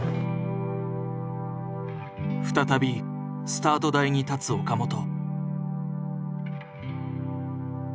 再びスタート台に立つ岡本。